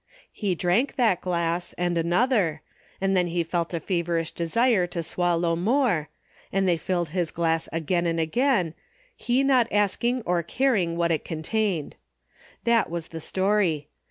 He drank that glass and another, and then he felt a feverish desire to swallow more, and they filled his glass again and again, he not asking or caring what it contained. That was the story.